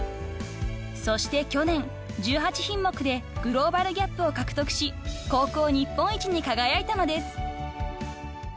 ［そして去年１８品目でグローバルＧＡＰを獲得し高校日本一に輝いたのです］